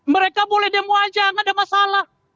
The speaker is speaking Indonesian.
mereka boleh demo saja tidak ada masalah